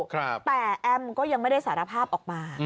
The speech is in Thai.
แต่แอมก็ยังไม่ได้สารภาพออกมา